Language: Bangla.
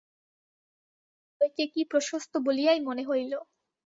তাহার স্বামীর হৃদয়কে কী প্রশস্ত বলিয়াই মনে হইল!